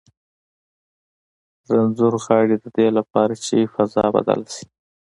رنځور غاړي د دې لپاره چې فضا بدله شي.